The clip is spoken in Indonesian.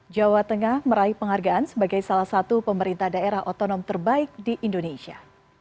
jawa tengah meraih penghargaan sebagai salah satu pemerintah daerah otonom terbaik di indonesia